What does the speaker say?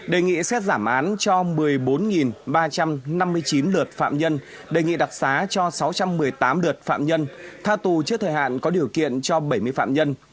đề nghị xét giảm án cho một mươi bốn ba trăm năm mươi chín lượt phạm nhân đề nghị đặc xá cho sáu trăm một mươi tám lượt phạm nhân tha tù trước thời hạn có điều kiện cho bảy mươi phạm nhân